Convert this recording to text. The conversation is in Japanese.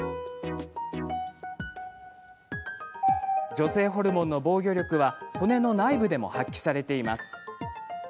女性ホルモンの防御力は骨の内部でも発揮されています。